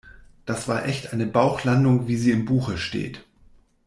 Das war echt eine Bauchlandung, wie sie im Buche steht.